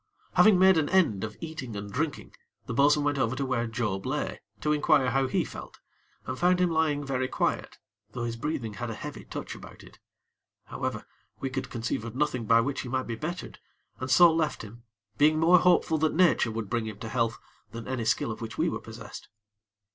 Having made an end of eating and drinking, the bo'sun went over to where Job lay, to inquire how he felt, and found him lying very quiet, though his breathing had a heavy touch about it. However, we could conceive of nothing by which he might be bettered, and so left him, being more hopeful that Nature would bring him to health than any skill of which we were possessed.